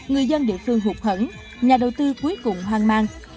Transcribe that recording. người dân địa phương hụt hẳn nhà đầu tư cuối cùng hoang mang